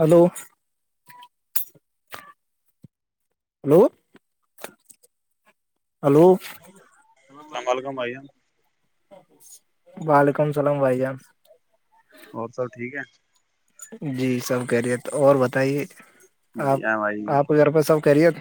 hello hello hello السلام علیکم بھائی جان وعلیکم السلام بھائی جان اور سب ٹھیک ہے جی سب خیریت اور بتائیے آپ بڑھیا ہے بھائی آپ پر سب خیریت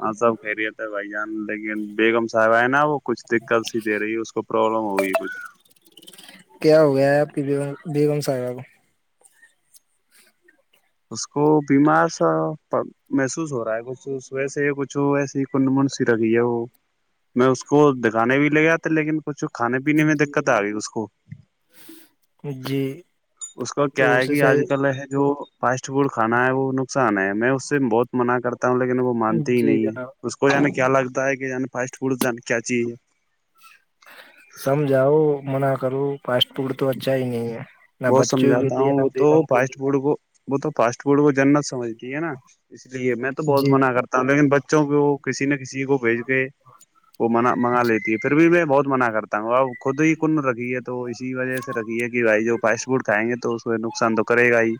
ہاں سب خیریت ہیے بھائی جان لیکن بیگم صاحب آئے نا وہ کچھ دقت سی دے رہی ہے اس کو پروابلم ہو گئی کچھ کیا ہو گیا ہے آپ کی بیگم ساحبا کو اس کو بیمار سا محسوس ہو رہا ہے کچھ صح سے کچھ ایسی کنڈ من سی لگی ہے وہ میں اس کو دکھانے بھی لے گیا تھا لیکن کچھ کھانے پینے کو میں جی دقت آ گئی اس کو جی اس کا کیا تو ہے اسے کہ آج صحیح کل ہے جو فاسٹ فوڈ کھانا ہے وہ نقصان ہے میں اس سے بہت منع کرتا ہوں لیکن وہ مانتے ہی جی نہیں ہے جناب اس کو جانے کیا لگتا ہے کہ کی فاسٹ فوڈ کیا چیز ہے سمجاؤ منا کرو فاسٹ فوڈ تو اچھا ہی نہیں ہے نہ بہت بچوں سمجھاتا کے لیے ہوں وہ نہ تو بیگم کے فاسٹ لیے فوڈ کو وہ تو فاسٹ فورڈ کو جنت سمجتی ہے نا اس لیے میں تو بہت جی منع کرتا لیکن بچوں کو کسی نہ کسی کو بھیج کے وہ م منگا لیتی ہے پھر بھی میں بہت منع کرتا ہوں اب خود ہی کن رکھی ہے تو اسی وجہ سے رکھی ہے کہ بھائی جو افائس فوڈ کھآئےگے تو اس میں نقصان تو کرے گا ہی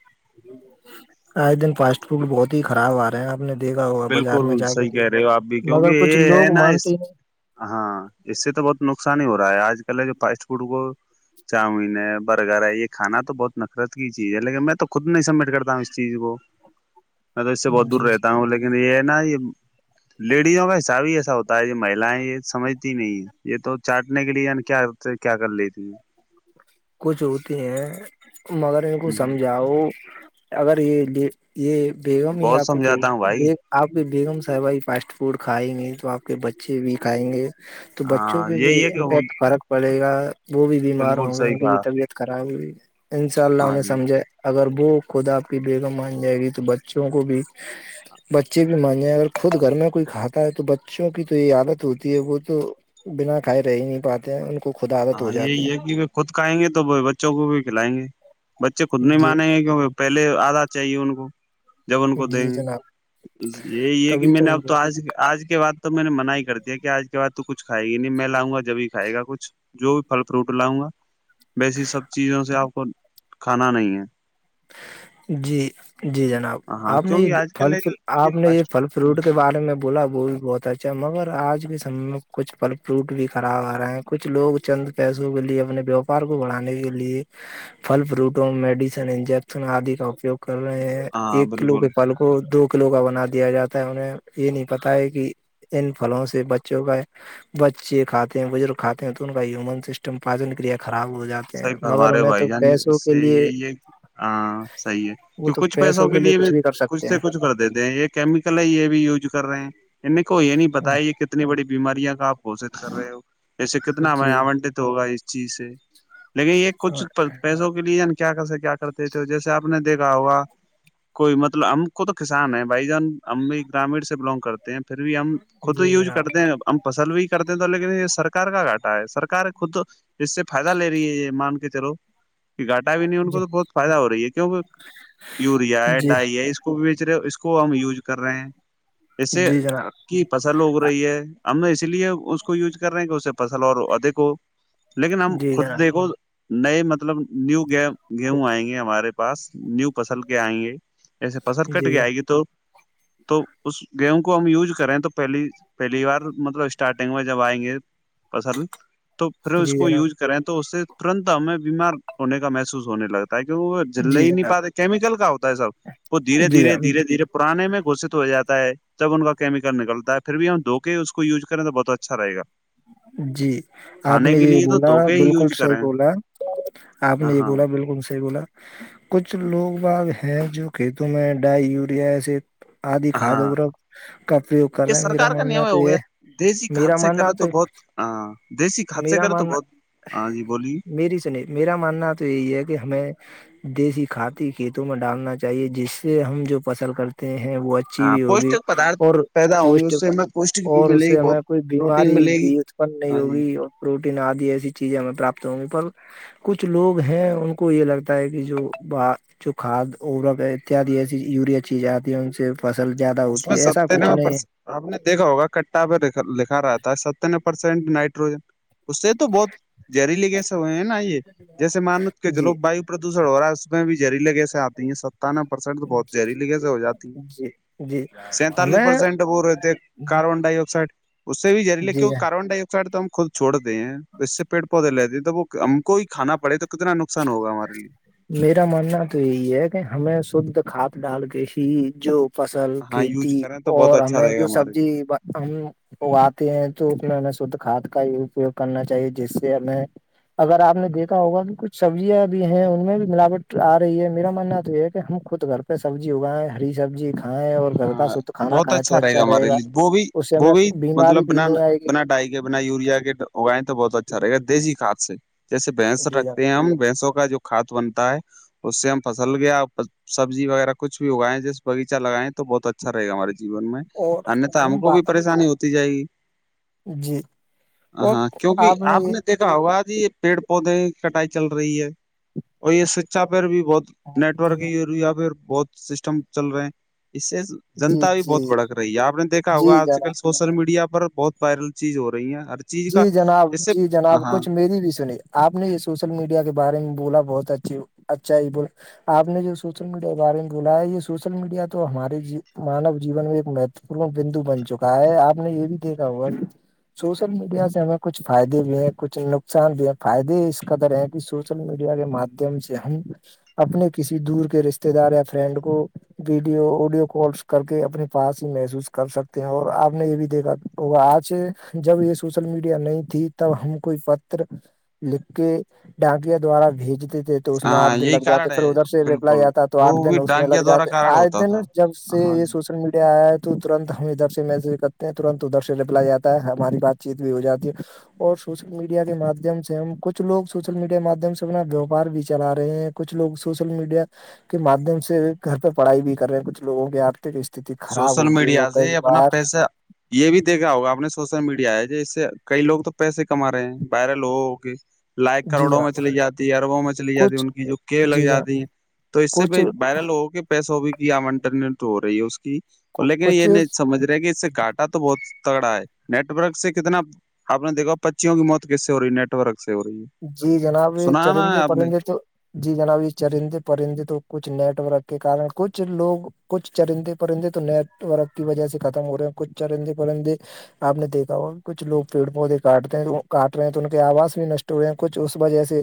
آے دن فاسٹ فروٹ بہت ہی خراب آ رہے ہیں آ نے دیکھا ہوا بازار میں بالکل جا کے صحیح کہہ دیکھاا رہے ہو آپ بھی کیونکہ مگر کچھ یہ لوگ ہے نا مانتے اس ہی ہاں اس سے تو بہت نقصان ہی ہو رہا ہے آج کل جو فاسٹ فوڈ کو چاؤمین ہے برگر ہے یہ کھانا تو بہت نفرت کی چیز ہے لیکن میں تو خود نہیں سبمٹ کرتا ہوں اس چیز کو اچ [inaudible] میں تو اس سے بہت دور رہتا ہوں لیکن یہ ہے نا ی لیڈیزوں کا حساب ہی ایسا ہوتا ہے یہ مہییں یہ سمجتی نہیں یہ تو چاٹنے کے لیے کیا تو کیا کر لی تھی کچھ ہوتی ہیں مگر ان کو سمجھا وہ اگر یہ یہ بیگم ہی بہت آپ کے پ سمجھاتا ہوں بھائی آپ کے بیگم صاحبائی فاسٹ فوڈ کھائیں گے تو آپ کے بچے بھی کھائیں گے تو بچوں ہاں پہ بھی یہی ہے کہ امفیکٹ فرق پڑے گا وہ بھی بیمار بالکل ہوں گے صحیح ان کی بھی کہا طبیعت خراب ہوی ان شاء اللہ ہاں انہیں جی سمجھے اگر وہ خود آپ کی بیگم مان جائے گی تو بچوں کو بھی بچے بھی مانے اگر خود گھر میں کوئی کھاتا ہے تو بچوں کی تو یہ عادت ہوتی ہے وہ تو بنا کھائے رہ ہی نہیں پاتے ہیں ان کو خود عادت ہو ہاں جاتی یہی ہے کہ وہ خود کھائیں گے تو وہ بچوں کو بھی کھلائیں گے بچے خود نہیں جی مانیں گے کیونکہ پہلے آداد چاہیے ان کو جب ان کو دیں جی گے جناب یہی یہ ہے کہ تبھی میں نے اب تو ہم آج آج کے بعد تو میں نے من ہی کر دیا کہ آج کے بع تو کچھائے گی نہیں میں لاؤ گا جبھی کھائے گاچھ جو بھی پھل فروٹ لاؤں گا ویسی سب چیزوں سے آپ کو کھانا نہیں ہے جی جی جناب ہاں آپ نے یہ کیونکہ آج کل پھل ہے پ جو آپ نے یہ فاسٹ پھل فروٹ کے بارے میں بولا وہ بھی بہت اچھا ہے مگر آج کے سمے میں کچھ پل فروٹ بھی خراب آ رہے ہیں کچھ لوگ چند پیسوں کے لیے اپنے ووپار کو بڑھانے کے لیے فھل فروٹوں میڈیسن انجیکشن آدی کا اپیوگ کر رہے ہیں ہاں ایکلو بالکل کے پالو وہ دو کلو کا بنا دیا جاتا ہے انہیں یہ نہیں پتا ہے کہ ان پھلوں سے بچوں کا بچے کاتے ہیں بزرگ کھاتے ہیں تو ان کا مون سسٹم پاچن کریا خراب ہو جاتا صحی فرم رہے ہو بھائی جان اس سے یہی ہے کہ ہاں صحیح ہے تو کچھ پیسوں کے لیے بھی کچھ سے کچھ کر دیتے ہیں ایک کیمیکل ہے یہ بھی یوز کر رہے ہیں ان کو یہ نہیں بتا ہے یہ کتنی بڑی بیماریاں کا آ گھوشت کر رہے ہو ایسے کتنا جی آنٹت ہوگا اس چیز سے لیکن یہ کچھ پیسوں کے لیے کیا کرس کیا کرتے تھے جیسے آپ نے دیکھا ہوگا کوئی مطلب ہم کو تو کسان ہے بھائی جان ہم بھی گرامیڑ سے بلانگ کرتے پھر بھی ہم خود جی یوز جناب کرتے ہیں ہم پسل بھی کرتے تو لیکن یہ سرار کا گاٹا ہے سرک خود اس سے فائدہ لے یہ مان کے چلو گاٹا بھی نہیں ان جی کو تو بہت فائدہ ہو رہی ہے کیوںکہ یوریا ہے جی ڈائی ہے اس کو بیچ رہے اس کو ہم یوز کر رہے ہیں اس سے جی جناب کی فصل اگ رہی ہے ہم اسی لیے اس کو یوز کر رہے ہیں کہ اس سے فصل اور ادک ہو لیکن ہم جی جناب د نئے مطلب نیو گ گیہوں آئیں گے ہمارے پاس نیو فصل کے آئیں گے ایسے پسر کٹ جی گ آئے گی تو تو اس گیوں کو ہم یوز کریں تو پہلی پہلی بار مطلب اسٹارٹنگ میں جب آئیں گے پسر تو پھر اس جی کو جناب یوز کریں تو اس سے ترنت ہمیں بیمار ہونے کا محسوس ہونے لگتا ت کہہ وہ لے جی ہی نہیں جناب پاتے کیمیکل کا ہوتا ہے سب وہ دھیرے جی دھیرے دھیرے دھیرے پرانے میں گھشت ہو جاتا ہے جب ان کا کیمیکل نکلتا ہے پھر بھی ہم دھو کے اس کو یوز کریں تو بہت اچھا رہےا جی آپ نے یہ لیے تو بولا دھوکے ہی بالکل یوز صحیح کریں بولا آپ نے یہ ہاں بولا بالکل صحیح بولا کچھ لوگ باغ ہیں جو کھیتوں میں ڈائی یوریا ایسے آدھی کھاد ہاں وو کا اپیگ کر یہ رہے ہیں میرا سرکار کا نیم ماننا تو ہو یہ گیا دیسی میرا کھاد سے ماننا کرے تو بہت ہ دیسی حادہ کریں تو بہت ہاں جی بولیے مری سنیہ میرا ماننا تو یہی ہے کہ ہمیں دیسی کھاتی کھیتوں میں ڈالنا چاہیے جس سے ہم جو فصل کرتے ہیں وہ ا اھی ہاں بھی ہوگی پوشٹک پدارتھ اور پیدا ہوں گے پٹ اس سے ہمیں پوشٹک بھی اور ملے گی اسے بہت ہمیں کوئی پروٹین بیماری ملے گی بھی اتپن نہیں ہاں جی ہوگی اور پروٹین آدی ایسی چیزیں ہمیں پراپت ہوں گی پر کچھ لوگ ہیں ان کو یہ لگتا ہے کہ جو ب جو کھاد او اتیادی ایسی یوریا چیزیں آتی ہیں ان سے فصل زیادہ اس ہوتی میں ہے ایسا کچھ ستیانوے نہیں پرسینٹ آپ نے دیکھا ہوگا کٹا پہ لکھا رہا تھا ست پرسینٹ نائٹروجن اس سے تو بہت زہریلی کییسے ہوئے ہیں نا یہ جیسے مانو کہ جی جلو باو پردوشن ہو رہا ہے اس میں بھی جہری لگہ سے آتی ہیں ستانوے پرسینٹ تو بہت جی جہری لگہ سے ہو جاتی ہیں جی جی سینتالیس ہمیں پرسینٹ وہ رہتے ہیں کاربن ڈائی آکسائڈ اس سے بھی جریلے کی جی کاربن ڈائیک س تو ہم خود چوڑتے ہیں اس سے پیڑ پودے لیتے ہیں تو وہ ہم کو ہی کانا پڑے تو کتنا نقصان ہوگا ہمارے لیے میرا ماننا تو یہی ہے کہ ہمیں شھ کھاد ڈال کے ہی جو فصل ہاں یوز کھیتی کریں تو بہت اور اچھا ہمیں رہے گا جو ہمارے سبزی لیے ہم وہ آتے ہیں تو اس میں ہمیں شھ کھاد کا ہی اپیوگ کرنا چاہیے جس سے ہمیں اگر آپ نے دیکھا ہوگا کہ کچھ سبزیاں بھی ہیں ان میں بھی ملاوٹ آ رہی ہے میرا ماننا تو یہ کہ ہم خود گھر پہ سبزی ہوگا ہری سبزی کھیں اور گھر کا ہاں شھ کھانا بہت کھائیں تو اچھا رہے ہمارے گا لیے وہ بھی اس سے ہمیں بیماری بھی نہیں آئے گی کٹائی کے بنا یوریا کے اگائیں تو بہت اچھاے گا دیسی کھاد سے جیسے بھینس جی جناب رکھتے ہیں ہم بھینسوں کا جو کھاد بنتا ہے اس سے ہم فصل گیا سبزی وغیرہ کچھ بھی اگائے جیسے بغیچہ لگائےیں تو بہت اچھا رہے گا ہمارے جیون میں اور نہیںت ہم کو بھی پریشانی ہوتی جائے گی جی ہ ہاں کیونکہ آپ نے دیکھا ہوا جی یہ پیڑ پودے کٹائی چل رہی ہے اور یہ سچا پیر بھی بہت نیٹورک یا پھر بہت سسٹم چل رہے ہیں اس سے جی جنتا بھی جی بہت بھڑک رہی ہے آپ نے دیکا جی ہوگا آج جناب کل سوشل میڈیا پر بہت وائرل چیز ہو رہی ہیں ہر چیز جی کا جناب اس سے جی جناب ہاں کچھ میری بھی سنی آپ نے یہ سوشل میڈیا کے بارے میں بولا بہت اچھی اچھا یہ ب آپ نے جو سوشل میڈیا کے بارے میں بولا ہے یہ سوشل میڈیا تو ہمارے مانو جین میں ایک مہت پ بندو بن چکا ہے آپ نے یہ بھی دیکھا ہوا کہ سل میڈیا سے ہمیں کچھ فائدے بھی ہیں کچھ نقصان بھی ہے فائدے اس قدر ہیں کہ سوشل میڈیا کے مم سے ہم اپنے کسی دور کے رشتے دار یا فرینڈ کو ویڈیو آڈیو کالس کر کے اپنے پاس ہی محسوس کر سکتے ہیں اور آپ نے یہ بھی دیکھا اور آج جب یہ سوشل میڈیا نہیں تھی تب ہم کوئی پت لکھ کے ڈانکیاں دوارا بھیج دی تھےے تو اس میں آٹھ ہاں دن یہی لگ جاتے کارن پھر ہے ادھر سے ریپل بالکل آاتا تو وہ آٹھ دن بھی اس میں ڈاکیا لگ دوارا جاتے کارن آج ہوتا دن تھا جب سے ہاں یہ جی سوشل میڈیا آیا تو ترنت ہم ادھر سے میسج کرتے ہیں تنت ادھر سے لپلا جاتا ہے ہماری بات چیت بھی ہو جاتی ہے اور سوشل میڈیا کے مادھیم سے ہم کچھ لوگ سوشل میڈیا کے ماددھیم سے اپنا ووپار بھی چلا رہے ہیں کچھ لوگ سوشل میڈیا کے ماددھیم سے گھر پر پڑھائی بھی کر رہے ہیں کچھ لوگوں کے آرتھک استھتی خراب سوشل ہوتی ہے وہ میڈیا کئی سے اپنا بار پیسہ یہ بھی دیکھا ہوگا آپ نے سوشل میڈیا ہے ج اس سے کئی لوگ تو پیسے کما رہے ہیں وائرل ہوگ لائق جی کروڑوں میں جناب چلی جاتی ہے اربوں میں چلی جاتی ہے کچھ ان کی جو کیب لگ جی جناب جاتی ہیں تو اس سے کچھ بھی وائرل ہوگ پیسہ ہو بھی کہ انٹرنیٹ ہو رہی ہے اس کی اور لیکن یہ نہیں کچھ سج رہے کہ اس سے گاٹ تو بہت تگڑا ہے نیٹ ورک سے کتنا آ نے دیکھا پ بچیوں کی موتس سے ہو رہی نیٹ ورک سے ہو رہی ہے جی جناب یہ سنا نا چرندے آپ نے پرندے تو جی جناب یہ چرندے پرندے تو کچھ نیٹ ورک کے کار کچھ لوگ کچھ چرندے پرندے تو نیٹ ورک کی وجہ سے ختم ہو رہے ہیں کچھ چرندے پرندے آپ نے دیکھا ہو کچھ لو پیڑ پودے کاٹتے ہیں کاٹ رہے ہیں تو ان کے آواز بھی ن اسٹو کچ اس وجہ سے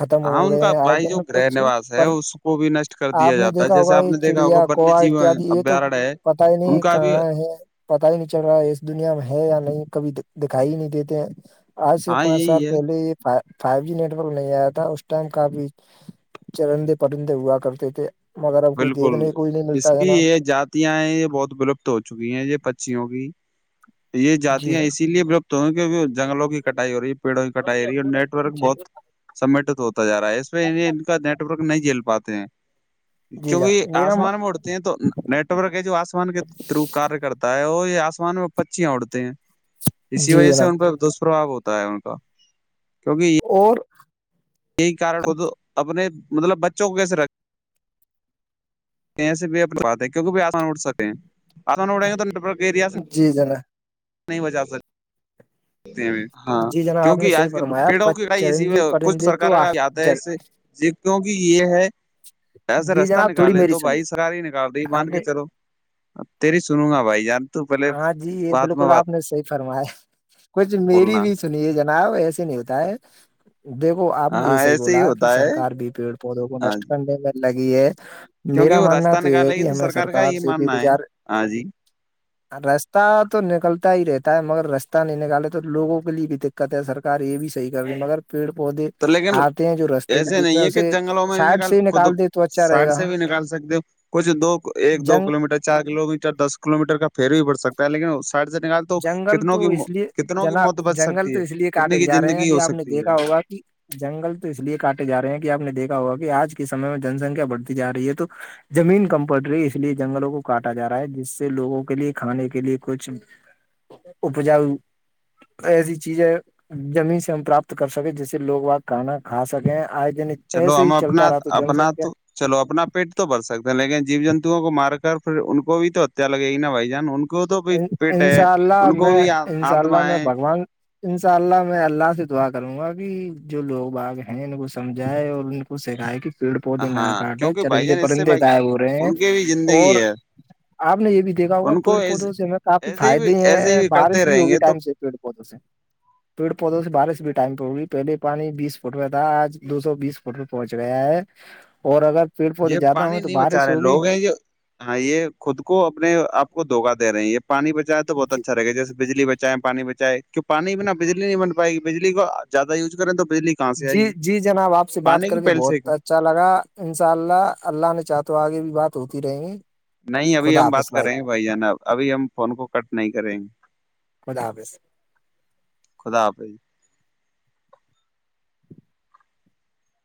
ختم ہاں ہو ان رہئے کا ہیں آئے بھائی جو دن گرہ کچھ نواس ہے پر اس کو بھی نشٹ کر آپ دیا نے جاتا ہے دیکھا جیسے ہوگا آپ یہ نے دیکھا ہوگا چڑیا ون کووا جیو اتیاد یہ تو ابھیارن ہے پتا ہی ان نہیں کا بھی کہاں ہے پتا ہی نہیں چل رہا ہے اس دنیا میں ہے یا نہیں کبھی دکھائی ہی نہیں دیتے آج سے ہاں پانچ سال یہی ہے پہلے یہ فائیو جی نیٹ ورک نہیں آیا تھا اس ٹائم کافی چرندے پرندے ہوا کرتے تھے مگر اب کوئی دیکھنے کوئی نہیں ملتا ہے نا یاں ہیں یہ بہت ولپت ہو چکی ہیں یہ پچیوں کی یہ جاتی جی ہے اسی لیے بلپت تو کی جنگلوں کی کٹائی ہو رہی ہے پڑوں کٹائی رہی اور نیٹ ورک بہت سمیٹ ہوتا ج رہا ہے اس میں ان کا نیٹ ک نہیں جھیل پاتے ہیں جی جی کیونکہ جناب میرا آسمان میں اڑتے ہیں تو نیٹورک ہے جو آسمان کے تھرو کار کرتا ہے وہ یہ آسمان میں پچیاں اڑتے ہیں اسی جی وجہ سے جناب ان پ دشپرباؤ ہوتا ہے ان کا کیونکہ یہ اور یہی کار وہ تو اپنے مطلب بچوں کو کیسے رکھ ایے بھی اپنی بات ہے کیک بھی آسمان اڑ سکے ہیں آسان اڑیں گے تویا جی جنا نہیں بجا سکتے ہاں جی جناب آپ نے کیونکہ صحیح آج کل فرمایا پیڑوں کیائی اسی چرندے کچھ پرندے تو سرار کا آتا ہے اس سے جی کیونکہ یہ ہے ایسے جی رستہ جناب تھوڑی نکالے میری تو سنی بھائی سراری ہی نکال رہی آپ مان کے نے چلو تیری سنوں گا بھائی جار ہاں جی یہ بالکل آپ نے صحیح فرمایا کچھ میری بولنا بھی سنیے جناب ایسے نہیں ہوتا ہے دیکھو آپ نے یہ ہاں ص ہی ایسے بولا کہ ہوتا ہے سرک بھی پیڑ پودوں کو ہاں نشٹ جی کرنے میں لگی ہے کیونکہ میرا وہ ماننا راستہ تو یہ ہے کہ ہمیں سرکار سے بھی گزار آج ہی راستہ تو نکلتا ہی رہتا ہے مگر رستہ نہیں نکالے تو لوگوں کے لیے بھی د کہتا سکار یہ بھی صحیح کر رہی مگر پیڑ پودے تو لیکن آتے ہیں جو رستے کے ایسے بیچ میں نہیں ہے کہ اسے جنگلوں میں نہیں سائڈ سے ہی خود نکال دیتے سائڈ سے بھی نکال سکتے ہو کچھ دو ایک دو جنگ کلو میٹر چار کلو میٹر دس کلو میٹر کا پیر ہی بڑ سکتا ہے لیکن سے سائڈ نکال تو جنگل کتنوں تو کی اس لیے کتنوں کی جناب موت بچ جنگل سکتی تو ہے اس لیے کتنے کاٹے کی جا رہے ہیں زندگی کہ ہو آپ نے سکتی دیکھا ہے ہوگا کہ جنگل تو اس لیے کاٹے جا رہے ہیں کہ آپ نے دیکھا ہوگا کہ آج کے سمے میں جن سنکھیا بڑھتی جا رہی ہے تو جمین کمپلٹری اس لیے جنگلوں کو کاٹا جا رہا ہے جس سے لوگوں کے لیے کھانے کے لیے کچھ اپجاؤ ایسی چیز ہے جمین سے ہم پراپت کر سکیں جیس سے لوگ وہ کھانا کھا سکیں آئےجن چلو ہم اپنا اپنا تو چلو اپنا پیٹ تو بھر سکتے ہیں لیکن جیو جنتوؤں کو مار کر پھر ان کو بھی تو ہتیا لگے گی نا بھائی جان کو تو بھی پیٹ ہے انشاء اللہ ان کو میں بھی انشاء اللہ آتما میں ہے بھگوان ان شاء اللہ میں اللہ سے دعا کروں گا کہ جو لوگ باغ ہیں ان کو سمجھائے اور ان کو سکھائے کہ پیڑ پودے ن ہاں گٹ ہے کیونکہ بھائی چرندے جان اس سے پرندے بھائی غائب ہو رہے ہیں ان کی بھی اور زندگی ہے آپ نے یہ بھی دیکھا ہوگا ان کو پیڑ پودوں ایسے سے ہمیں کافی ہی بھی فائدے ایسے ہی ہیں کرتے بارش بھی رہیں ہوگی گے تو ٹائم سے پی بہت سے پیڑ پودوں سے بارش بھی ٹائم پہ ہوگی پہلے پانی بیس فٹ میں تھا آج دو سو بیس ٹل پہنچ گیا ہے اور اگر پیڑ پودے یہ زیادہ ہوں گے پانی تو نہیں بچا بارش رہے ہوگی لوگ ہیں یہ ہاں یہ خود کو اپنےپ کو دھوکا د رہے ہیں یہ پانی بچاائے تو بہت اچھا رہ گا جیسے بجلی ب اہیں پانی بچائے کی پانی بناا بجلی نہیں بن پائے گی بجلی کو زیادہ یوز کریں تو بجلی کہاں سے آئے جی گی جی جناب آپ سے بات پانی کر کی کے پہل بہت سے اچھا اچھا لگا انشاء اللہ اللہ نے چاہ تو آگے بھی بات ہوتی رہیں گی نہیں ابھی خدا ہم بات حافظ کر رہیں ہیں بھائی جان ابھی ہم فون کو کٹ نہیں کریں گے خدا حافظ خدا حافظ